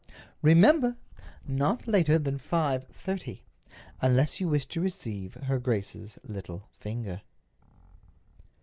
"Remember! not later than 5:30, unless you wish to receive her grace's little finger."